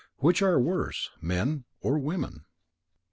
Which are worse, men or women?